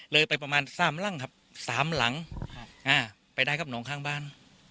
เลยไปประมาณ๓รังครับสามหลังไปได้ครับน้องข้างบ้าน